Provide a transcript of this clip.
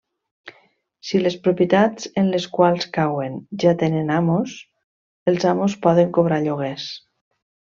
Si les propietats en les quals cauen ja tenen amos, els amos poden cobrar lloguers.